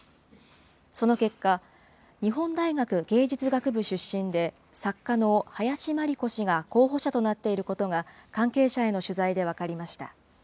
その結果、日本大学芸術学部出身で作家の林真理子氏が候補者となっていることが、関係者への取材で分かりました。